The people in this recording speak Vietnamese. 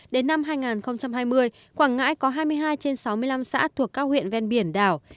đến năm hai nghìn hai mươi quảng ngãi có hai mươi hai trên sáu mươi năm xã thuộc các huyện ven biển đảo